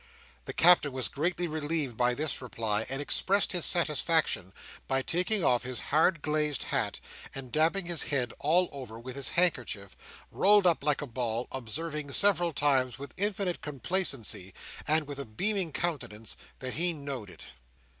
The Captain was greatly relieved by this reply, and expressed his satisfaction by taking off his hard glazed hat, and dabbing his head all over with his handkerchief, rolled up like a ball, observing several times, with infinite complacency, and with a beaming countenance, that he know'd it.